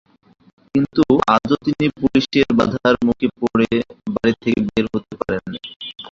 কিন্তু আজও তিনি পুলিশের বাধার মুখে পড়ে বাড়ি থেকে বের হতে পারেননি।